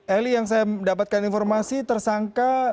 eli yang saya mendapatkan informasi tersangka